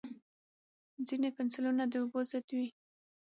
ځینې پنسلونه د اوبو ضد وي.